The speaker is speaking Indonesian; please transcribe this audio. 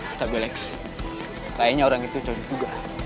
kayaknya orang itu cowok juga